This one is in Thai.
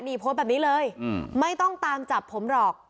นี่โพสต์แบบนี้เลยไม่ต้องตามจับผมหรอก